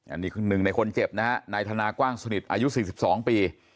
อันนี้คือหนึ่งในคนเจ็บนะฮะนายธนากว้างสนิทอายุ๔๒ปี